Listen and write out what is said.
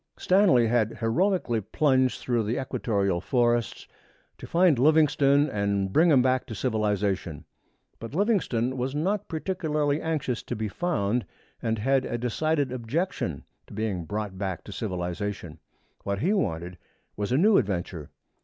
Stanley had heroically plunged through the equatorial forests to find Livingstone and to bring him back to civilization. But Livingstone was not particularly anxious to be found, and had a decided objection to being brought back to civilization. What he wanted was a new adventure.